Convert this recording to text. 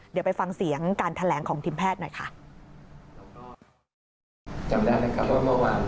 เดี๋ยวไปฟังเสียงการแถลงของทีมแพทย์หน่อยค่ะ